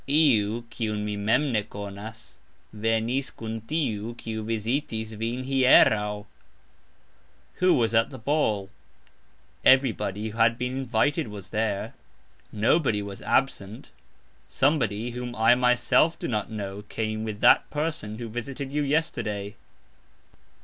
"Iu, kiun" mi mem ne konas, venis kun "tiu kiu" vizitis vin hierau. "Who" was at the ball? "Everybody who" had been invited was there, "nobody" was absent. "Somebody, whom" I myself do not know, came with "that person who" visited you yesterday.